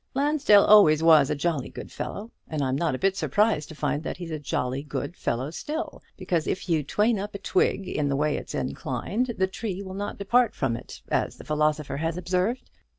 Lansdell always was a jolly good fellow, and I'm not a bit surprised to find that he's a jolly good fellow still; because if you train up a twig in the way it's inclined, the tree will not depart from it, as the philosopher has observed.